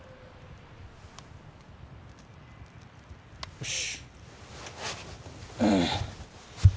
よし。